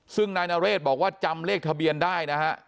ซึ่งนายนเรศบอกว่าจำเลขทะเบียนได้นะฮะ